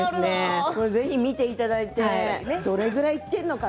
ぜひ見ていただいてどれぐらいいっているのか。